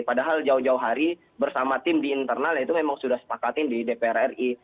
padahal jauh jauh hari bersama tim di internal itu memang sudah sepakatin di dpr ri